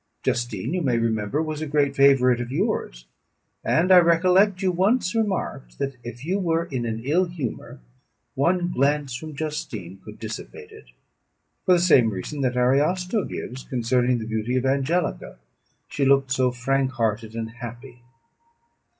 "Justine, you may remember, was a great favourite of yours; and I recollect you once remarked, that if you were in an ill humour, one glance from Justine could dissipate it, for the same reason that Ariosto gives concerning the beauty of Angelica she looked so frank hearted and happy.